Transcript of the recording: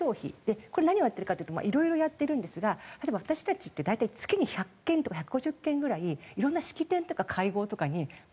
これは何をやってるかというとまあいろいろやってるんですが例えば私たちって大体月に１００件とか１５０件ぐらいいろんな式典とか会合とかに出るんですよ。